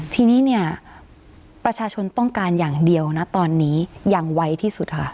ทีนี้เนี่ยประชาชนต้องการอย่างเดียวนะตอนนี้อย่างไวที่สุดค่ะ